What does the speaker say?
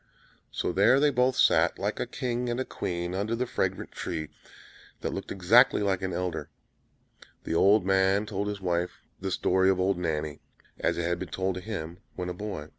So there they both sat, like a king and a queen, under the fragrant tree, that looked exactly like an elder: the old man told his wife the story of "Old Nanny," as it had been told him when a boy.